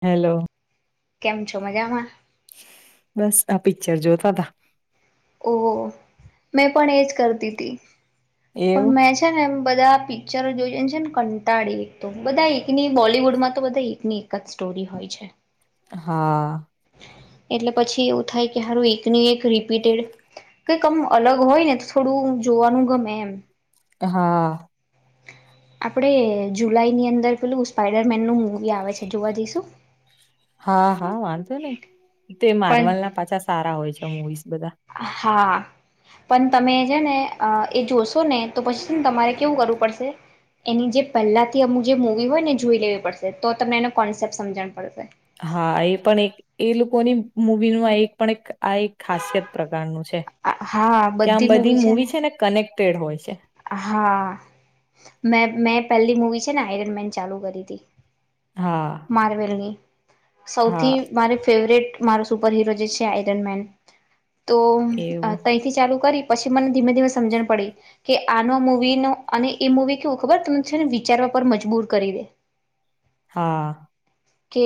Hello કેમ છો મજામાં બસ આ પિક્ચર જોતા તા ઓહ મેં પણ એજ કરતી હતી એવું પણ મેં છે ને એમ બધા પિક્ચર જોઈ છે ને કંટાળી એક તો બધા એકની બોલીવુડમાં તો બધા એકની એક જ સ્ટોરી હોય છે હા એટલે પછી એવું થાય કે સારું એક ની એક રિપીટેડ કઈકમ અલગ હોય ને તો થોડું જોવાનું ગમે એમ હા આપણે જુલાઈ ની અંદર પેલું સ્પાઈડર મેન નું મવી આવે છે જોવા જઈશું હા હા વાંધો નઈ તે પણ મારવલ ના પાછા સારા હોય છે મુવીઝ બધા હા પણ તમે છે ને એ જોશો ને તો પછી ને તમારે કેવું કરવું પડશે એની જે પહેલા થી અમુ જે મવી હોય ને જોઈ લેવી પડશે તો તમને એનો કોન્સેપ્ટ સમજણ પડશે હા એ પણ એક એ લોકોની મુવી ન એક પણ એક આ એક ખાસિયત પ્રકારનું છે કે આમ બધી મુવી છે ને કનેક્ટ તેડ હોય છે હા મે મેં પહેલી મુવી છે ને આઈરન મેન ચાલુ કરી હતી હા માર્વેલની હા સૌથી મારે ફેવરેટ મારો સુપર હિરો જે છે આઈરન મેન તો એવું તયથી ચાલુ કરી પછી મને ધીમે ધીમે સમજણ પડી કે આનો મૂવી ન અને એ મૂવી કેવું ખબર તમને છે ને વિચારવા પર મજબૂર કરી દે હા કે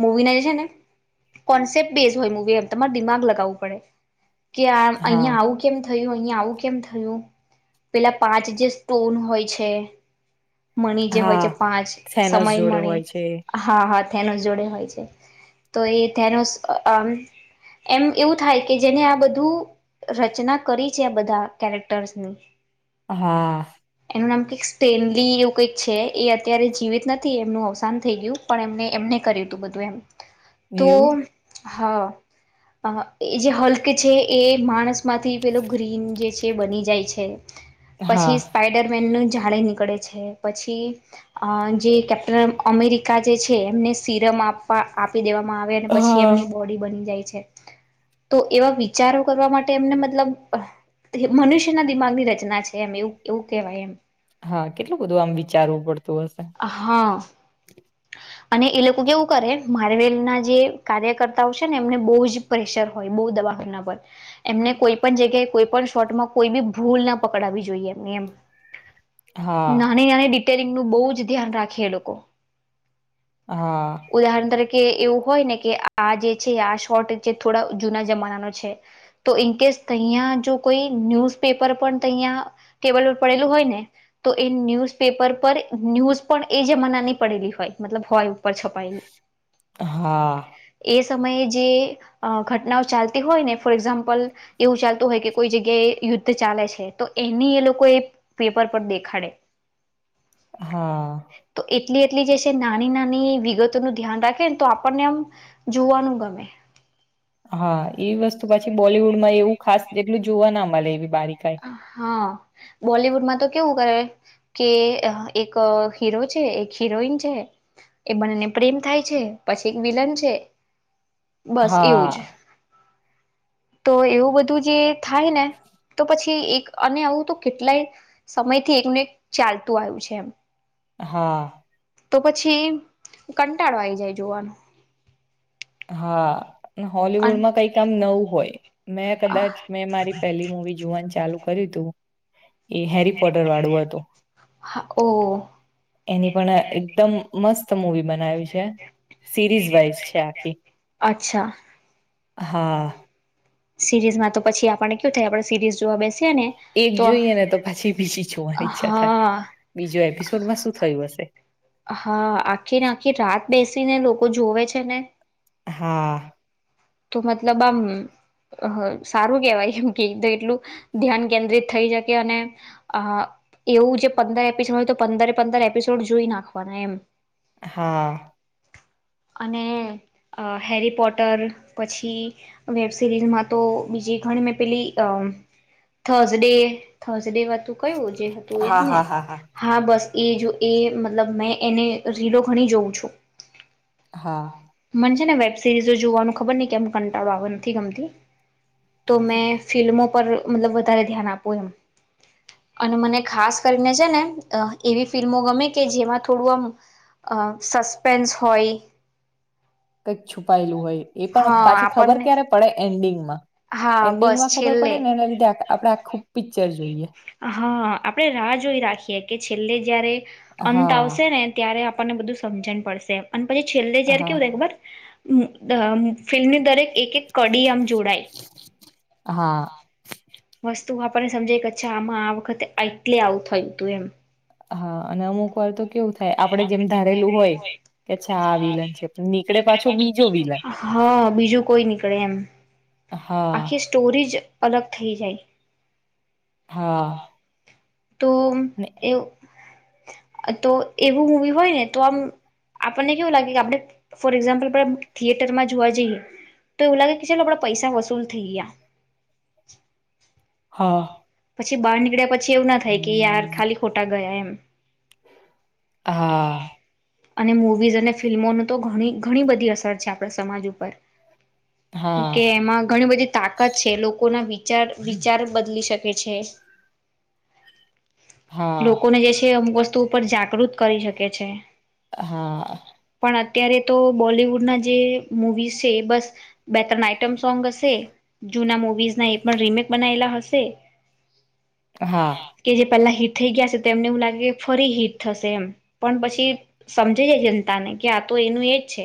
મૂવી ના જે છે ને કોન્સેપ્ટ બેઝ હોય મૂવી એમ તમારે દિમાગ લગાવવું પડે કે આમ હા અહિયાં આવું કેમ થયું અહીંયા આવું કેમ થ થયું પેલા પાંચ જે સ્ટોન હોય છે મણી જે હોય હા છે પાંચ સેનસ સમય જોડે મણી હોય છે હા હા થેનોસ જોડે હોય છે તો એ થેનોસ એમ એવું થાય કે જેને આ બધું રચના કરી છે આ બધા કેારેક્ટરસ ન હા એનું નામ કઈક સ્ટેનલી એવું કઈક છે એ અત્યારે જીવિત નથી એમનું અવસાન થઈ ગયું પણ એમને એમને કર્યું તું બધું એમ તો એવું હા એ જે હલ્કે છે એ માણસ માંથી પેલો ગ્રીન બની જાય છે હા પછી સ્પાઈડરમેનનું ભાડે નીકળે છે પછી જે કેપ્ટન અમેરિકા જે છે એમને સીરમ આપવા દેવામાં આવે અને પછી હા એમની બોડી બની જાય છે તો એવા વિચારો કરવા માટે એમને મતલબ મનુષ્યના દિમાગની રચના છે એમ એવું એવું કેહેવાય એમ હા કેટલું બધું આમ વિચારવું પડતું હશે હા અને એ લોકો કેવું કરે માર્વેલ ના જે કાર્યકર્તાઓ છે ને એમને બહુ જ પ્રેશર હોય બહુ દબખના પર એમને કોઈ પણ જગ્યાએ કોઈ પણ શોર્ટમાં કોઈ બી ભૂલ ના પકડવી જોઈએ એમની એમ હા નાની નાણે ંગ નું બહુ ધ્યાન રાખીએ એ લોકો હા ઉદાહરણ તરીખ કે એવું હોય ને કે આ જે છે આ શોર્ટ થોડા જૂના જમાના ન છે તો ઇન કેસ તહં જો કોઈ ન્યૂઝ પેપર પણ તહં ટેબલ પર પડેલું હોય ને તો એ ન્યૂઝ પેપર પર ન્યૂઝ પણ એ જમાનાની પડેલી હોય મતલબ હોય પર છપાયલી હા, એ સમયે જે ઘટનાઓ ચાલતી હોય ને ફોર એક્ઝામ્પલ એવું ચાલતું હોય કે કોઈ જગ્યાએ યુદ્ધ ચાલે છે તો એની એ લોકો એ પેપર પર દેખાડે હા તો એટલી એટલી જેશે નાની નાની વિગતો નું ધ્યાન રાખે ને તો આપણને આમ જોવાનું ગમે હા એ વસ્તુ પછી બોલવુડમાં એવું ખાસ જેટલું જોવા ના મળે એ હા બોલિવુડમાં તો કેવું કરે કે એક હીરો છે એક હિરોઈન છે એ બનેને પ્રેમ થાય છે પછી એક વિલન છે બસ એવું જ હા, તો એવું બધું જે થાયને પછી એક અને આવું તો કેટલાય સમયથી એકનું એક ચાલતું આવ્યું છે એમ હા તો પછી કંટાળવા આવીઈ જાય જોવાનું હા અને હોલવુડમાં કઈ કામ નવું હોય મેં કદાચ હા મેં મારી પહેલી મુવી જોવાનું ચાલુ કર્યું તું એ હેરી પોટર વાળું હતું ઓહ એની પણ એકદમ મસ્ત મૂવી બનાવી્યું છે સિરીઝ વાઈઝ છે અચ્છા હા સિરીઝમાં તો પછી આપડને કયુ થાય આપણે સીરીઝ જોવા બેસી ને એક જોઈએ ને તો પછી બીજી જોવાની ઈચ્છા થાય. હા બીજો એપિસોડમાં શું થયું હશે? હા આખીને આખી રાત બેસીને લોકો કો જોવે છે ને હા તો મતલબ આમ સારું કેહેવાય એમ કે એટલું ધ્યાન કેન્દ્રિત થઈ શકે અને એવું જે પંદર એપિસોડ હોય તો પંદરે પંદર એપિસોડ જોઈ નાખવાના એમ હા અને હેરી પોટર પછી વેબ સિરીઝમાં તો બીજી ઘણી મે પેલી અ થર્સડે થસ ેું કયું જે હતું એ જ હા, ને હા, હા, હા બસ એ જો એ મતલબ મેં એને રીલો ઘણી જોઉં છું હા ને વેબ સિરીઝો જોવાનું ખબર ન કેમ કંટાળો આવે નથી ગમતી તો મેં ફિલ્મો પર મતલબ વધારે ધ્યાન આપવું એમ અને મને ખાસ કરીને છે ને એવી ફિલ્મો ગમે કે જેમાં થોડું આમ સસ્પેન્સ હોય કઈક છુપાયેલું હોય એ પણ હા પાછી ખબર આપણને ક્યારે પડે એન્ડિંગમાં હા બસ એન્ડિંગમાં ખબર છેલ્લે પડે ને એના લીધે આપડે આ ખુબ પિક્ચર જોઈએ હા આપણે રાહ જોઈ રાખીએ કે છેલ્લે જયારે અંત હા આવશે ને ત્યારે આપને બધું સમજણ પડશે અને છેલ્લે જેાર હા કેવું એક બ ફિલ્મની દરેક એક એક કડી આમ હા જોડાયસ્ તું આપણને સમજે અચ્છા આમાં આ વખતે એટલે આવું થયું હતું એમ હા અને અમુક વાર તો કેવું થાય આપડે જેમ ધારેલું હોય કે અચ્છા આ વિલન છે નીકળે પાછો બીજો વિલન બીજું હા બીજું કોઈ નીકળે એમ હા આખી સ્ટોરી જ અલગ થઈ જાય હા તો અને એવું તો એવું મુવી હોય ને તો આમ આપણને કેવું લાગે કે આપણે ફોર એક્ઝામ્પલ થિયેટરમાં જોવા જઈએ તો એવું લાગે કે ચાલો આપડા પૈસા વસૂલ થઈ ગયા હા પછી બાર નીકળ્યા પછી એવું થાય કે યાર ખાલી ખોટા ગયા એમ હા અને મૂવીઝ અને ફિલ્મોનું તો ઘણી ઘણી બધી અસર છે આપણા સમાજ ઉપર કે હા એમાં ઘણી બધી તાકાત છે લોકો ના ભી વિચાર વિચાર બદલી શકે છે હા લોકોને જે છે અમુક વસ્તુ [unintelligible] જાગૃત કરી શકે છે હા પણ અત્યારે તો બોલિવુડના જે મુવીઝ છે એ બસ બે ત્રણ આઈટમ સોંગ હશે જૂના મુવીઝના એ પણ રીમેક બનાયલા હશે હા કે જે પહેલા હીટ થઈ ગયા છે તો એમને એવું લાગે ફરી હીટ થશે એમ પણ પછી સમજે જાય જનતાને કે આ તો એનું એજ છે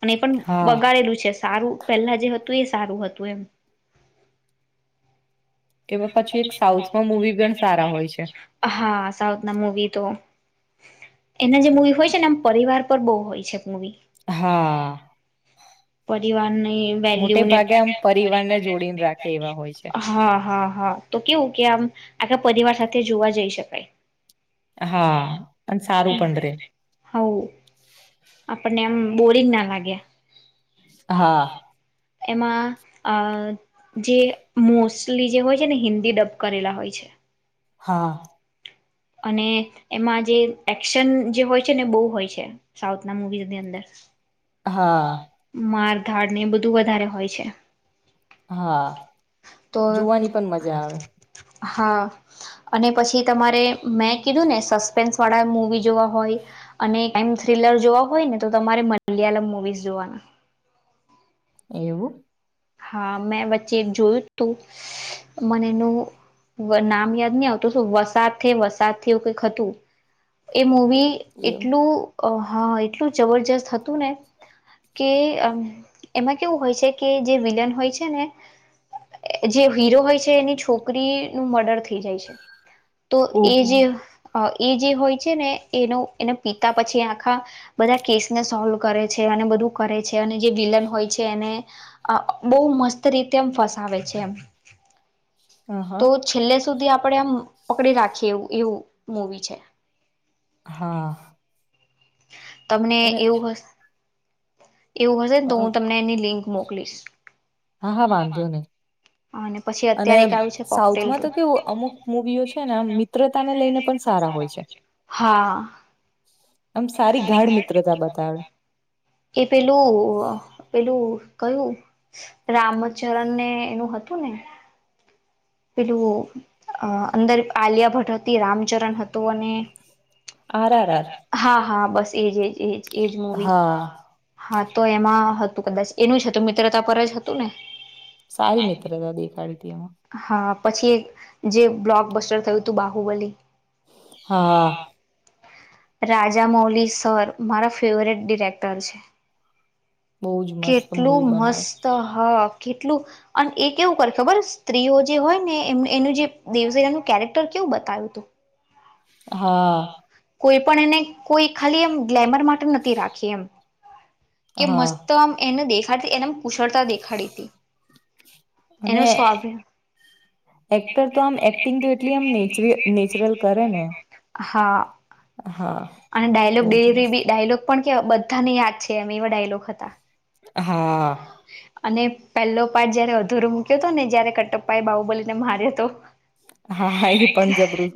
અને એ પણ હા બગાડેલું છે. સારું પેલા જે હતું એ સારું હતું એમ. કે પછી એક સાઉથમાં મૂવી પણ સારા હોય છે. હા સાઉથ ના મૂવી તો એના જે મવી હોય છે ને આમ પરિવાર પર બહુ હોય છે મૂવી. હા. પરિવારને. મોટે વાળું ને ભાગે આમ પરિવારને પરિવાર ને જોડીને જોડે એવા રાખે. હોય છે. હા હા! [unintelligible] હા તો કેવું કે આમ આખા પરિવાર સાથે જોવા જઈ શકાય. હા, પણ સારું પણ રહે. હવ આપણને એમ બોરિંગ ના લાગે. હા. એમાં, અ જે મોસ્ટલી જે હોય છે ને હિન્દી ડબ કરેલા હોય છે. હા. અને, એમાં જે એક્શન જે હોય છે ને બહુ હોય છે, સાઉથના મવીઝની અંદર. હા. ાડ ને એ બધું વધારે હોય છે. હા, તો જોવાની પણ મજા આવે. હા, અને પછી તમારે મેં કીધું ને સસ્પેન્સ વાળા મુવી જોવા હોય, અને ટાઈમ થ્રિલર જોવા હોય ને તો તમારે મલયાલમ મુવી જોવાના. એવું? હા મેં વચ્ચે જોયું હતું, મને એનું નામ યાદ નહી આવતું વસા વસાવું કઈક હતું. મૂવી એવું એટલું હા એટલું જબરજસ્ત હતું ને, કે એમાં કેવું હોય છે કે જે વિલન હોય છે ને જે હીરો હોય છે એની છોકરીનું મર્ડર થઈ જાય છે. તો એ ઓહો જે હોય. એ જે હોય છે ને એનો એને પિતા પછી આખા બધા કેસને સોલ્વ કરે છે અને બધું કરે છે અને જે વિલન હોય છે એને આ બહુ મસ્ત રીતે એમ ફસાવે છે એમ. હ હા તો છેલ્લે સુધી આપ આપણે આમ પકડી રાખીએ એવું એવું મૂવી છે. હા. તમને અને એવું હશ. એવું હશે અ ને હું તમને એની લિંક. મોકલીશ. હા હા, વાંધો નઈ. અને પછી અને અત્યારે એક આવ્યું છે કોકટેલ સાઉથમાં ટુ તો કેવું અમુક મૂવીઓ છેને એમ મિત્રતાને લઈને પણ સારા હોય છે. હા. આમ સારી ગાઢ મિત્રતા બતાવે એ પેલું પેલું કયું રામચરણને એનું હતું ને પેલું અંદર આલિયા ભટ્ટ હતી રામચરણ હતું અને આર આર આર હા હા બસ એજ એજ એજ એજ મુવી હા હા તો એમાં હતું કદાચ એનું જ હતું મિત્રતા પર જ હતું ને સારી મિત્રતા દેખાડી ત હા પછી જે બ્લોક બસ્ટર થયું હતું બાહુબલી હા રાજા મૌલ બહુ જ મસ્ત કેટલું મૂવી બનાવે મસ્ત હ કેટલું અને એ કેવું કરે ખબર સ્ત્રીઓ જે હોય ને એમ એનું જે દેવસરાનું કેરેક્ટર કેવું બતાવ્યું તું હા કોઈ પણ એને કોઈ ખાલી એમ ગ્લેમર માટે નથી રાખી એમ કે હા મસ્ત આમ એને દેખ આ એને કુશળતા દેખાડી હતી એનું અને સ્વાભ એક્ટર તો આમ એક્ટિંગ તો એટલી આમ ને નેચરલ કરે ને હા હા અને ડાયલોગ બહુ જ ડિેલરી મસ્ત બી ડાયલોગ પણ કે બધા ને યાદ છે એમ એવા ડાયલોક હતા હા અને પહેલો પ્ટ જયારે અધુર મૂક્યો હતો ને જયારે કટપપાઈ બાહુબલીને માર્યો હતો હા એ પણ જબરું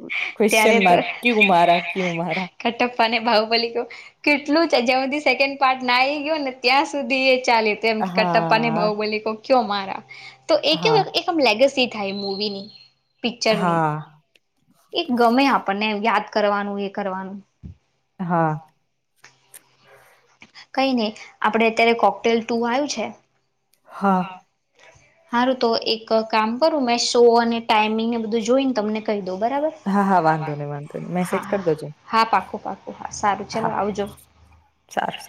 ત્યારે ક્વેશ્ચન તો માર્ કયુ મારા ક્યુ મારા કટપ્પાને બાહુબલી કહ્યું કેટલું જ્યાં સુધી સેકન્ડ પાર્ટ ના આવી ગયયો ને ત્યાં સુધી એ ચાલે કટપ્પ ને હા ભઉ બોલી કો ક્યો માારા તો એય હા એકમ લેગસી થાય મૂવી નની પિક્ચરની હા એ ગમે આપણને યાદ કરવાનું એ કરવાનું હા કઈ નહી આપડે અત્યારે કોકટેલ ટુ આવ્યું છે હા સારું તો એક કામ કરું મેં શો અને ટાઈમિંગ એને બધું જોઈને તમને કઈ હા હા વાંધો નહી વાંધો ન હા મેસેજ હા કરી દો જે હા પાકું પાકું હા સારું ચાલો આવજો સારું સારું